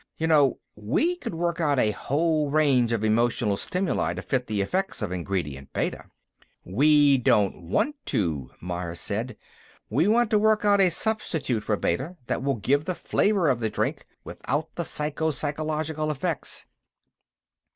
You know, we could work out a whole range of emotional stimuli to fit the effects of Ingredient Beta...." "We don't want to," Myers said. "We want to work out a substitute for Beta that will keep the flavor of the drink without the psycho physiological effects."